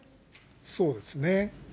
そうですね。